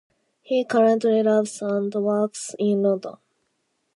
He currently lives and works in London.